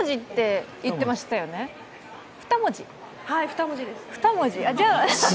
はい、２文字です。